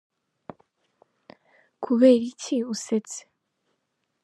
Kubera iki usetse?